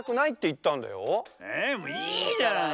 えっいいじゃない。